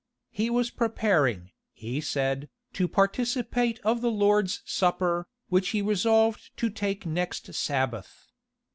He was preparing, he said, to participate of the Lord's supper, which he resolved to take next Sabbath.